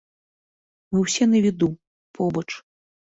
Мы ўсе на віду, побач.